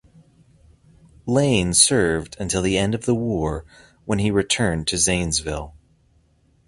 Lane served until the end of the war when he returned to Zanesville.